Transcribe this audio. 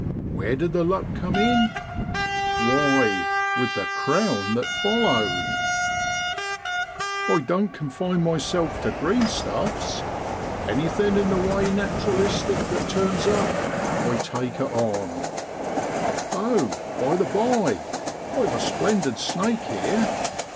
Where did the luck come in ? Why, with the crown that followed !' I don't confine myself to ( green stuffs.' Anything in the way naturalistic that turns up I take it on. Oh ! by the by, I've a splendid snake here.